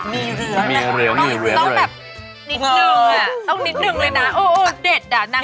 มีเรื้อเลยค่ะต้องแบบนิดหนึ่งอะต้องนิดหนึ่งเลยนะโอ้โฮเด็ดอะนั่งแสดง